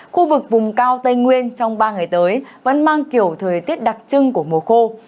khu vực vùng cao tây nguyên trong ba ngày tới vẫn mang kiểu thời tiết đặc trưng của mùa khô